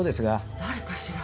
誰かしら？